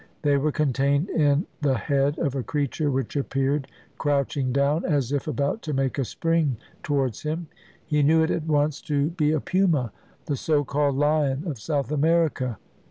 They were contained in the head of a creature which appeared crouching down, as if about to make a spring towards him. He knew it at once to be a puma, the so called lion of South America.